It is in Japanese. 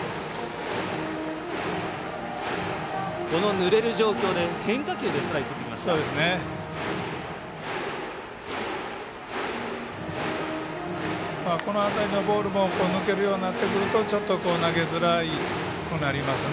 ぬれる状況で変化球でストライクをとってきました。